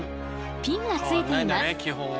ピンがついています。